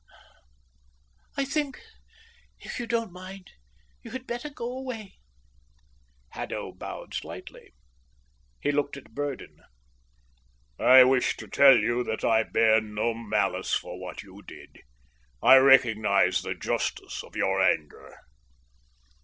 "I think, if you don't mind, you had better go away." Haddo bowed slightly. He looked at Burdon. "I wish to tell you that I bear no malice for what you did. I recognize the justice of your anger."